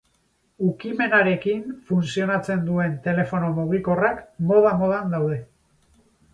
Ukimenarekin funtzionatzen duten telefono mugikorrak moda-modan daude.